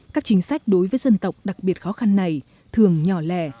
các chính sách đối với dân tộc đặc biệt khó khăn này thường nhỏ lẻ